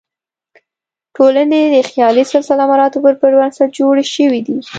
ټولنې د خیالي سلسله مراتبو پر بنسټ جوړې شوې دي.